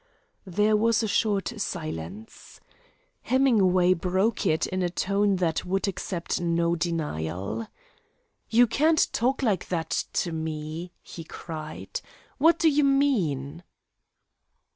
There was a short silence. Hemingway broke it in a tone that would accept no denial. "You can't talk like that to me," he cried. "What do you mean?"